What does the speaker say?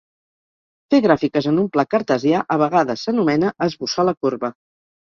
Fer gràfiques en un pla cartesià a vegades s'anomena "esbossar la corba".